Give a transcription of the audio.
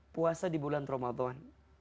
puasa di bulan ramadan